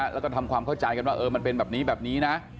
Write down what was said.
แล้วก็ทำความเข้าใจกันว่ามันเป็นแบบนี้แบบนี้นะ